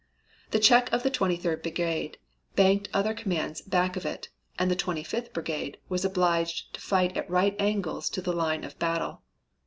The check of the Twenty third Brigade banked other commands back of it, and the Twenty fifth Brigade was obliged to fight at right angles to the line of battle.